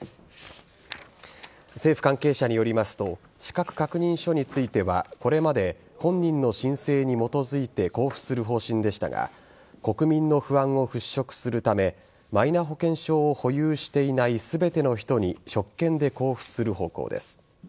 政府関係者によりますと資格確認書についてはこれまで、本人の申請に基づいて交付する方針でしたが国民の不安を払拭するためマイナ保険証を保有していない全ての人に職権で交付する方向です。